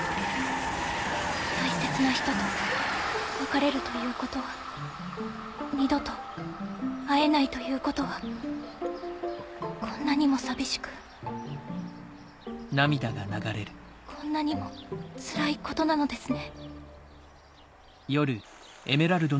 大切な人と別れるということは二度と会えないということはこんなにも寂しくこんなにもつらいことなのですね。